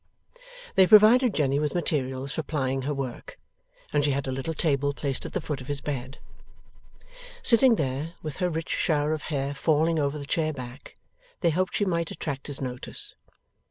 They provided Jenny with materials for plying her work, and she had a little table placed at the foot of his bed. Sitting there, with her rich shower of hair falling over the chair back, they hoped she might attract his notice.